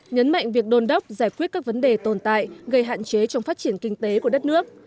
nhấn mạnh việc đôn đốc giải quyết các vấn đề tồn tại gây hạn chế trong phát triển kinh tế của đất nước